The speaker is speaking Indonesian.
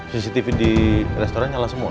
cctv di restoran nyala semua